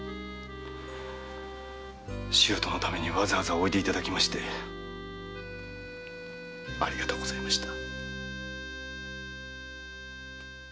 舅のためにわざわざおいでいただきましてありがとうございました。